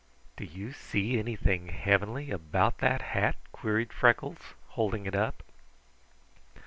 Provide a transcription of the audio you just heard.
"Do you see anything heavenly about that hat?" queried Freckles, holding it up.